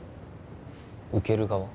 受ける側？